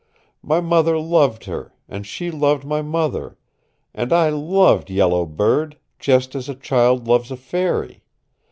My mother loved her, and she loved my mother, and I loved Yellow Bird, just as a child loves a fairy.